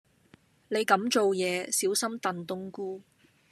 你咁做野，小心燉冬菇